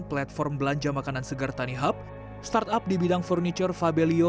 platform belanja makanan segar tanihub startup di bidang furniture fabelio